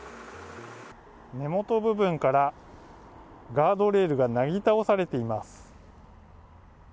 根元部分からガードレールがなぎ倒されています。